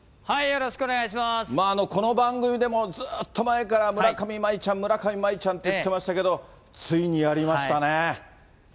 この番組でも、ずっと前から村上茉愛ちゃん、村上茉愛ちゃんって言ってましたけど、ついにやりましたね。